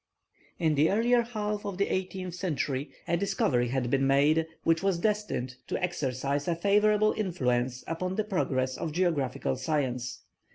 In the earlier half of the eighteenth century, a discovery had been made which was destined to exercise a favourable influence upon the progress of geographical science.